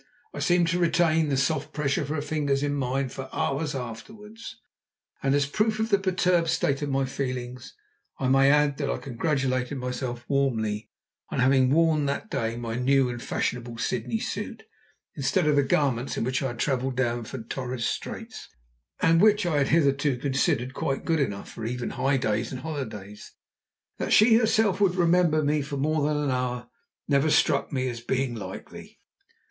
I seemed to retain the soft pressure of her fingers in mine for hours afterwards, and as a proof of the perturbed state of my feelings I may add that I congratulated myself warmly on having worn that day my new and fashionable Sydney suit, instead of the garments in which I had travelled down from Torres Straits, and which I had hitherto considered quite good enough for even high days and holidays. That she herself would remember me for more than an hour never struck me as being likely.